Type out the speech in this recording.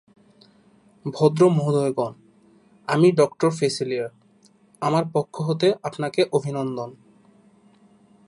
ভদ্র মহোদয়গণ, আমি ডক্টর ফেসিলিয়ার, আমার পক্ষ হতে আপনাকে অভিনন্দন।